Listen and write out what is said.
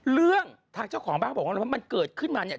เรื่องทางเจ้าของบ้านเขาบอกว่ามันเกิดขึ้นมาเนี่ย